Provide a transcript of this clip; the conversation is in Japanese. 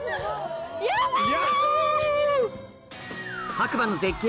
白馬の絶景